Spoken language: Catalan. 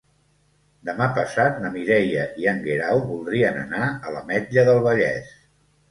Demà passat na Mireia i en Guerau voldrien anar a l'Ametlla del Vallès.